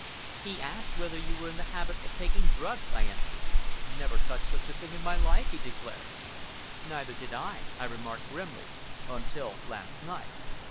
"He asked whether you were in the habit of taking drugs," I answered. "Never touched such a thing in my life," he declared. "Neither did I," I remarked grimly, "until last night."